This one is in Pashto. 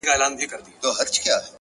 سترې لاسته راوړنې دوام غواړي,